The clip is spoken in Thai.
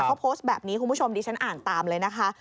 เขาโพสต์แบบนี้คุณผู้ชมดิฉันอ่านตามเลยนะคะ